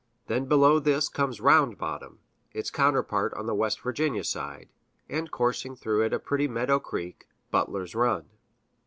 Then below this comes Round Bottom, its counterpart on the West Virginia side, and coursing through it a pretty meadow creek, Butler's Run.